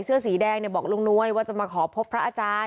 เมื่อวานแบงค์อยู่ไหนเมื่อวาน